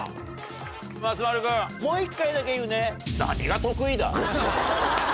松丸君もう１回だけ言うね。